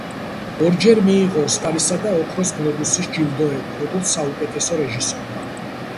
ორჯერ მიიღო ოსკარისა და ოქროს გლობუსის ჯილდოები, როგორც საუკეთესო რეჟისორმა.